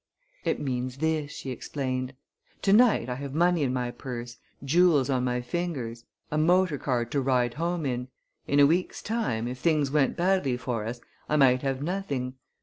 "It means this," she explained: "To night I have money in my purse, jewels on my fingers, a motor car to ride home in. In a week's time, if things went badly with us, I might have nothing.